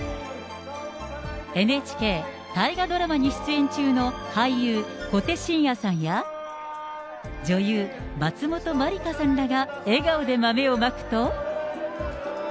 ＮＨＫ大河ドラマに出演中の俳優、小手伸也さんや、女優、松本まりかさんらが笑顔で豆をまくと。